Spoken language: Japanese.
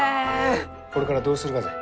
これからどうするがじゃ？